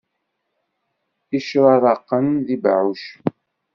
Icraraqen d ibeɛɛucen.